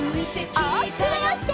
おおきくまわして。